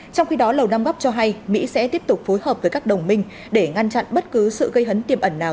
trong khi đó lầu nam góc cho hay mỹ sẽ tiếp tục phối hợp với các đồng minh để ngăn chặn bất cứ sự gây hấn tiềm ẩn nào